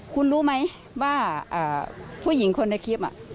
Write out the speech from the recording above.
คุณรู้ไหมว่าผู้หญิงคนในคลิป